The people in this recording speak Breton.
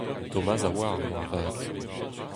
Tomaz a oar moarvat.